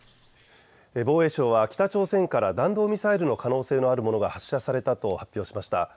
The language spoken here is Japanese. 防衛省は北朝鮮から弾道ミサイルの可能性のあるものが発射されたと発表しました。